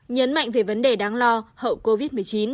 nhấn mạnh về vấn đề đáng lo hậu covid một mươi chín